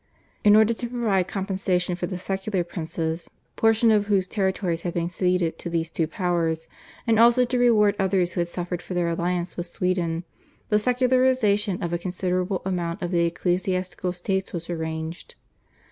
In order to provide compensation for the secular princes, portion of whose territories had been ceded to these two powers, and also to reward others who had suffered for their alliance with Sweden, the secularisation of a considerable amount of the ecclesiastical states was arranged.